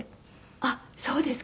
あっそうですか！